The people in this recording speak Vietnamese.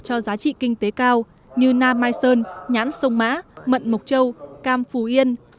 cho giá trị kinh tế cao như nam mai sơn nhãn sông mã mận mộc châu cam phù yên